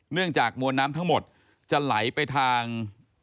เนื่องจากมวลน้ำทั้งหมดจะไหลไปทาง